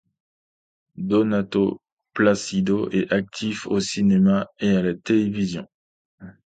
Donato Placido est actif au cinéma et à la télévision.